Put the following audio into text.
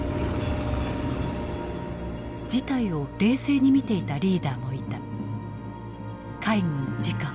事態を冷静に見ていたリーダーもいた。